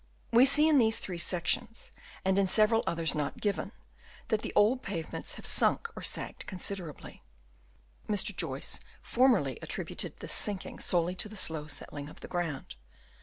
We see in these three sections, and in several others not given, that the old pave ments have sunk or sagged considerably. Mr. Joyce formerly attributed this sinking solely to the slow settling of the ground.